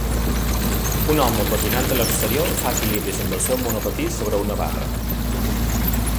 Un home patinant a l'exterior fa equilibris amb el seu monopatí sobre una barra.